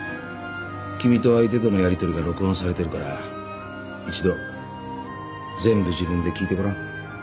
君と相手とのやりとりが録音されてるから一度全部自分で聞いてごらん